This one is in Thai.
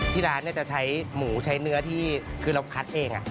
ที่ร้านจะใช้หมูใช้เนื้อที่คือเราคัดเอง